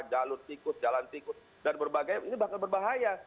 jalur tikut jalan tikut dan berbagai ini bakal berbahaya